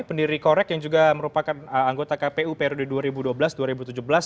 pendiri korek yang juga merupakan anggota kpu periode dua ribu dua belas dua ribu tujuh belas